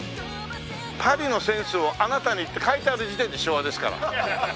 「パリのセンスを貴方に！」って書いてある時点で昭和ですから。